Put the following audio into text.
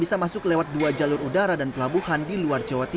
sementara menurut mahian jibril alfarabi